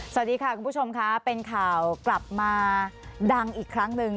สวัสดีค่ะคุณผู้ชมค่ะเป็นข่าวกลับมาดังอีกครั้งหนึ่ง